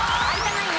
ナイン